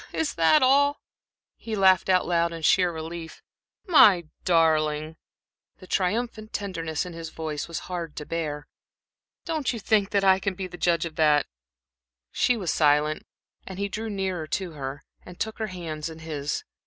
"Is that all?" He laughed out loud in sheer relief. "My darling," the triumphant tenderness in his voice was hard to bear "don't you think that I can judge of that?" She was silent, and he drew nearer to her and took her hands in his.